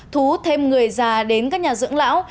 thú thêm người già đến các nhà dưỡng lão